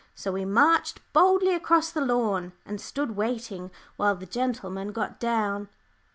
So we marched boldly across the lawn and stood waiting, while the gentlemen got down.